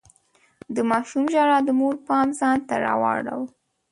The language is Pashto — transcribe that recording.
د ماشوم ژړا د مور پام ځان ته راواړاوه.